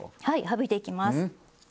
はい省いていきます。